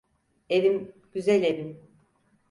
Evim, güzel evim.